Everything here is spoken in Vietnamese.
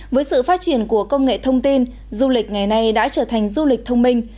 với sự phát triển của công nghệ thông tin du lịch ngày nay đã trở thành du lịch thông minh